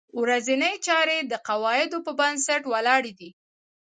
ورځنۍ چارې د قواعدو په بنسټ ولاړې دي.